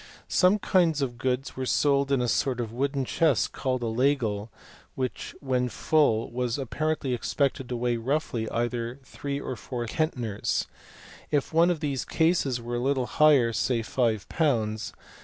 Some kinds of goods were sold in a sort of wooden chest called a layel, which when full was apparently expected to weigh roughly either three or four centners ; if one of these cases were a little lighter, say 5 Ibs.